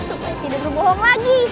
tidak mau membohong lagi